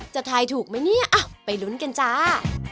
จะถ่ายถูกมั้ยเนี่ยอ้าวไปลุ้นกันจ้า